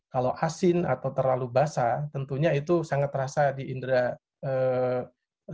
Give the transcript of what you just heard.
kalau asin atau terlalu basah tentunya itu sangat terasa di indera